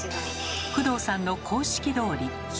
工藤さんの公式どおり。